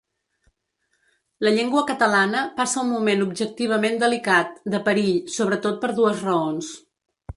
La llengua catalana passa un moment objectivament delicat, de perill, sobretot per dues raons.